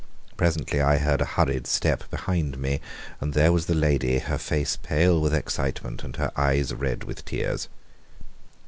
Presently I heard a hurried step behind me, and there was the lady, her face pale with excitement, and her eyes red with tears.